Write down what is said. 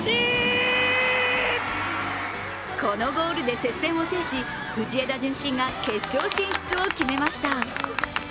このゴールで接戦を制し藤枝順心が決勝進出を決めました。